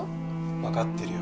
わかってるよ。